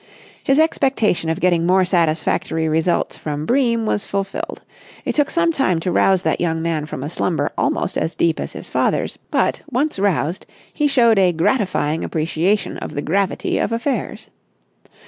His expectation of getting more satisfactory results from Bream was fulfilled. It took some time to rouse that young man from a slumber almost as deep as his father's; but, once roused, he showed a gratifying appreciation of the gravity of affairs.